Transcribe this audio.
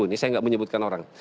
ini saya nggak menyebutkan orang